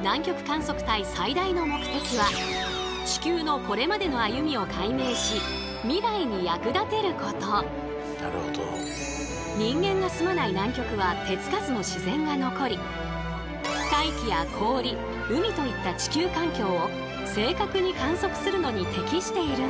南極観測隊人間が住まない南極は手つかずの自然が残り大気や氷海といった地球環境を正確に観測するのに適しているんです。